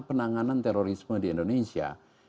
penanganan terorisme di indonesia